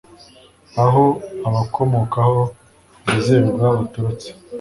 aho abakomokaho bizerwa baturutse